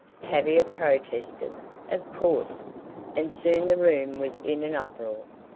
Tavia protested, of course, and soon the room was in an uproar.